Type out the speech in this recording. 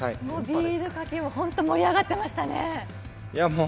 ビールかけも本当に盛り上がっていましたね？